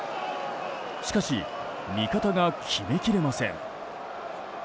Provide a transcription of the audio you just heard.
しかし味方が決めきれません。